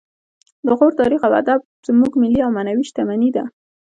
د غور تاریخ او ادب زموږ ملي او معنوي شتمني ده